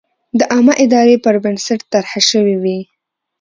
د عامه ارادې پر بنسټ طرحه شوې وي.